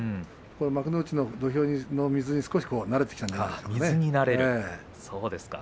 幕内の土俵の水に少し慣れてきたのかなと。